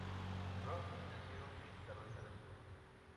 Rock nació en Carolina del Sur.